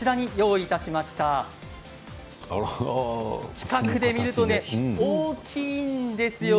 近くで見ると大きいんですよ。